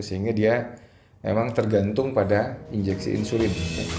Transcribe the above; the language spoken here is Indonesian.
sehingga dia memang tergantung pada injeksi insulin